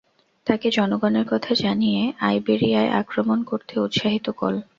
তাকে জনগণের কথা জানিয়ে আইবেরিয়ায় আক্রমণ করতে উত্সাহিত কল।